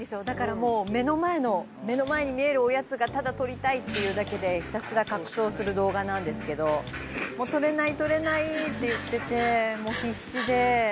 だからもう目の前の目の前に見えるおやつがただ取りたいっていうだけでひたすら格闘する動画なんですけど取れない取れないって言っててもう必死で。